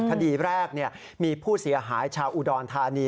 คดีแรกมีผู้เสียหายชาวอุดรธานี